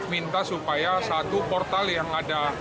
minta supaya satu portal yang ada